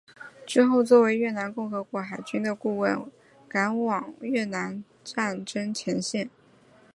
之后作为越南共和国海军的顾问赶往越南战争前线。